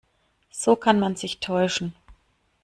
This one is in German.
So kann man sich täuschen.